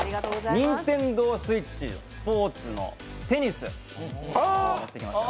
ＮｉｎｔｅｎｄｏＳｗｉｔｃｈＳｐｏｒｔｓのテニス、持ってきました。